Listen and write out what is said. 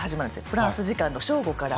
フランス時間の正午から。